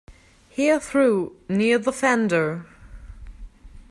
Hearthrug, near the fender.